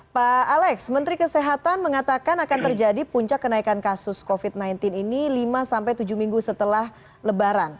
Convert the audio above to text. pak alex menteri kesehatan mengatakan akan terjadi puncak kenaikan kasus covid sembilan belas ini lima sampai tujuh minggu setelah lebaran